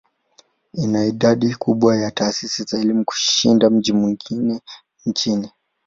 Ina idadi kubwa ya taasisi za elimu kushinda miji mingine ya nchi.